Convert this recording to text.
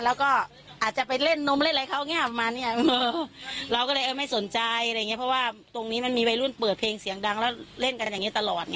แล้วก็อาจจะไปเล่นนมเล่นอะไรเขาเนี่ยประมาณเนี้ยเราก็เลยเออไม่สนใจอะไรอย่างเงี้เพราะว่าตรงนี้มันมีวัยรุ่นเปิดเพลงเสียงดังแล้วเล่นกันอย่างนี้ตลอดไง